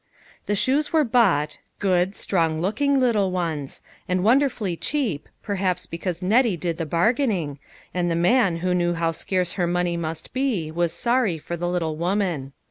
The shoes were bought, good, strong looking little ones, and wonderfully cheap, perhaps be cause Nettie did the bargaining, and the man who knew how scarce her money must be, was eorry for the little woman.